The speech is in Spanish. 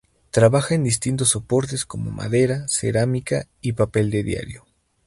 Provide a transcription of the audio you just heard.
Trabaja en distintos soportes como madera, cerámica y papel de diario.